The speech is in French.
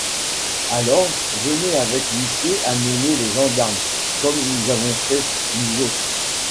Alors, venez avec l’huissier, amenez les gendarmes, comme nous avons fait, nous autres.